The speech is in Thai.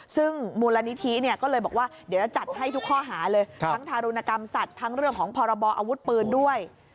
ซึ่งมูลนิธิเนี่ยก็เลยบอกว่าเดี๋ยวจะจัดให้ทุกข้อหาเลยทั้งทารุณกรรมสัตว์ทั้งเรื่องของพรบออาวุธปืนด้วย